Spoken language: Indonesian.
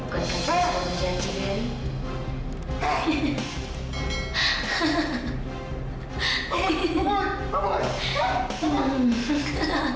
kau dikasih janji barry